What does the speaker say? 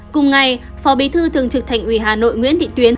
cùng ngày phó bí thư thường trực thành uỷ hà nội nguyễn định tuyết